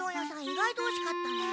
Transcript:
意外とおいしかったね。